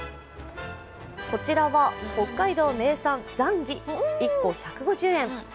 こちらは北海道名産ザンギ１個１５０円。